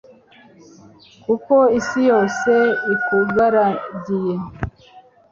kuko isi yose ikugaragiye